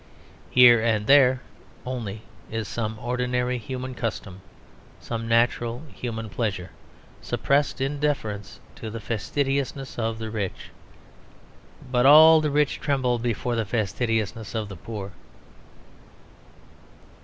Here and there only is some ordinary human custom, some natural human pleasure suppressed in deference to the fastidiousness of the rich. But all the rich tremble before the fastidiousness of the poor.